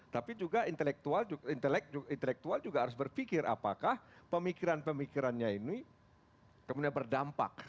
tapi juga intelektual juga harus berpikir apakah pemikiran pemikirannya ini kemudian berdampak